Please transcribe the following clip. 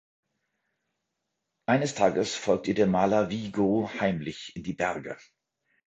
Eines Tages folgt ihr der Maler Vigo heimlich in die Berge.